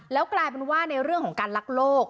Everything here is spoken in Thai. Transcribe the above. แล้วกลายเป็นว่าในเรื่องของการลักโลก